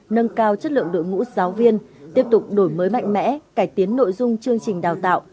nâng cao chất lượng đội ngũ giáo viên tiếp tục đổi mới mạnh mẽ cải tiến nội dung chương trình đào tạo